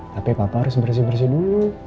tapi papa harus bersih bersih dulu